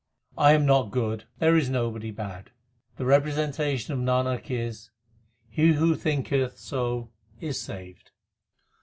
I am not good ; there is nobody bad. The representation of Nanak is he who thinketh so is saved.